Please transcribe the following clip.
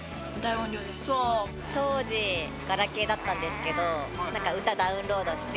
女性：当時ガラケーだったんですけど歌ダウンロードして。